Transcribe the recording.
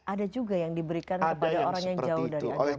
ada juga yang diberikan kepada orang yang jauh dari agama